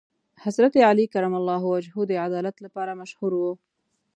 حضرت علی کرم الله وجهه د عدالت لپاره مشهور و.